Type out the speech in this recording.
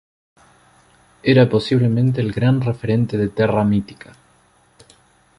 Era posiblemente el gran referente de Terra Mítica.